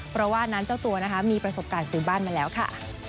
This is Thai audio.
เพราะว่านั้นเจ้าตัวนะคะมีประสบการณ์ซื้อบ้านมาแล้วค่ะ